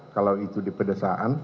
kalau itu di pedesaan